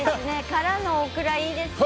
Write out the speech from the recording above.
「からのオクラいいですね」